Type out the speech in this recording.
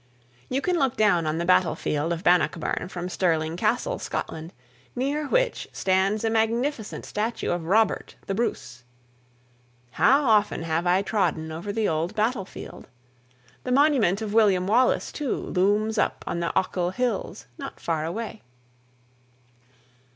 You can look down on the battle field of Bannockburn from Stirling Castle, Scotland, near which stands a magnificent statue of Robert, the Bruce. How often have I trodden over the old battle field. The monument of William Wallace, too, looms up on the Ochil Hills, not far away.